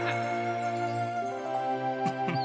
フフフ。